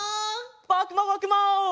ぼくもぼくも！